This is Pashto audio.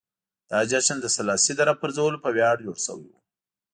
دا جشن د سلاسي د راپرځولو په ویاړ جوړ شوی و.